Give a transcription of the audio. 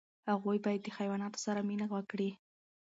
هغوی باید د حیواناتو سره مینه وکړي.